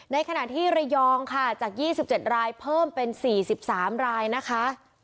ในขณะที่ระยองค่ะจาก๒๗รายเพิ่มเป็น๔๓รายนะคะ